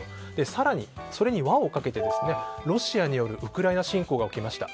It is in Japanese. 更に、それに輪をかけてロシアによるウクライナ侵攻が起きました。